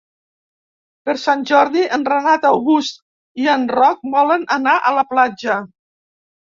Per Sant Jordi en Renat August i en Roc volen anar a la platja.